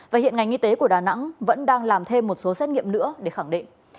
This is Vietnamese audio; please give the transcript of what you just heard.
và hiện ngành y tế của đà nẵng vẫn đang làm thêm một số xét nghiệm nữa để khẳng định